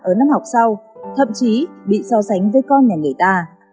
ở năm học sau thậm chí bị so sánh với con nhà người ta